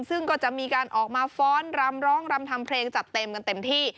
ซึ่งก็จะมีการออกมาฟ้อนรำร้องรำทำเพลงจัดเต็มกันเต็มที่